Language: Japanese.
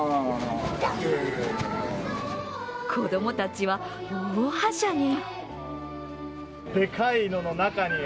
子供たちは、大はしゃぎ。